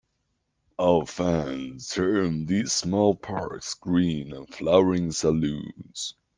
Alphand termed these small parks green and flowering salons.